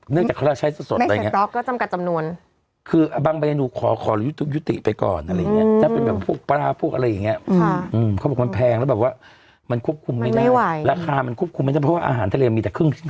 เนื่องจากเขาเราใช้ซะสดอะไรแบบนี้